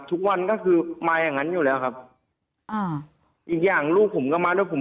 ทุกวันก็คือมาอย่างงั้นอยู่แล้วครับอ่าอีกอย่างลูกผมก็มาด้วยผม